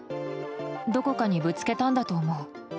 どこかにぶつけたんだと思う。